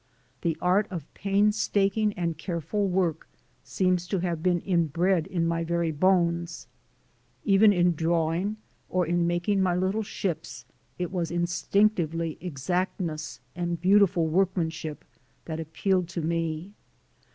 The art of painstaking and careful work seems to have been inbred in my very bones. Even in drawing or in making my little ships, it was instinctively exact ness and beautiful workmanship that appealed to me.